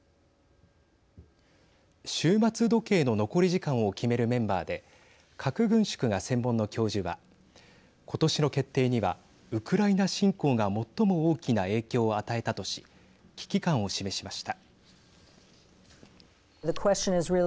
終末時計の残り時間を決めるメンバーで核軍縮が専門の教授は今年の決定にはウクライナ侵攻が最も大きな影響を与えたとし危機感を示しました。